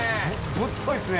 ぶっといですね。